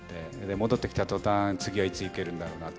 戻ってきたとたん、次はいつ行けるんだろうなと。